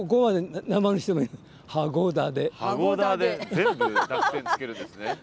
全部濁点つけるんですね。